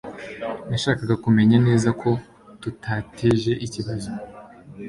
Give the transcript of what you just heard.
Nashakaga kumenya neza ko tutateje ikibazo